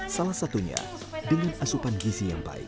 salah satunya dengan asupan gizi yang baik